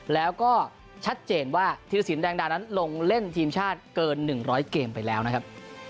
แล้วก็ชัดเจนว่าธีรสินแดงดานั้นลงเล่นทีมชาติเกิน๑๐๐เกมไปแล้วนะครับ